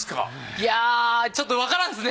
いやちょっとわからんですね。